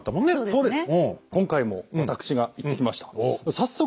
そうです。